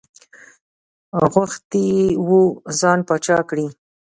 غوښتي یې وو ځان پاچا کړي.